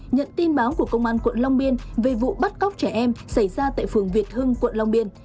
nhận tin báo của công an quận long biên về vụ bắt cóc trẻ em xảy ra tại phường việt hưng quận long biên